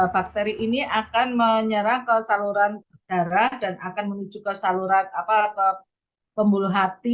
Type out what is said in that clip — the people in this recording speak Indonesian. bakteri ini akan menyerang ke saluran darah dan akan menuju ke saluran pembuluh hati